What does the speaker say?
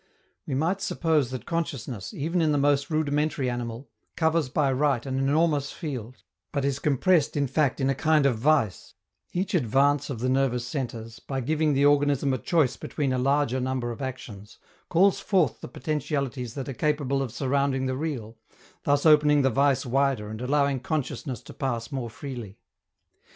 We might suppose that consciousness, even in the most rudimentary animal, covers by right an enormous field, but is compressed in fact in a kind of vise: each advance of the nervous centres, by giving the organism a choice between a larger number of actions, calls forth the potentialities that are capable of surrounding the real, thus opening the vise wider and allowing consciousness to pass more freely.